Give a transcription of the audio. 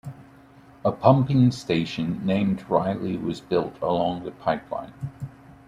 A pumping station named "Riley" was built along the pipeline.